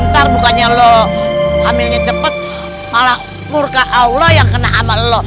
entar bukannya lu hamilnya cepet malah murka allah yang kena ama lu